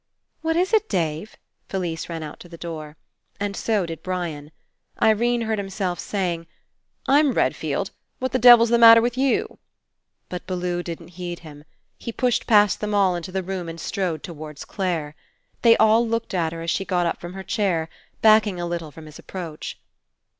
"What is it, Dave?" Felise ran out to the door. And so did Brian. Irene heard him say ing: "I'm Redfield. What the devil's the matter with you?" But Bellew didn't heed him. He pushed past them all into the room and strode towards Clare. They all looked at her as she got up from her chair, backing a little from his ap proach.